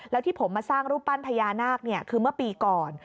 แล้วที่ผมมาสร้างรูปปั้นพญานาคคือเมื่อปีก่อน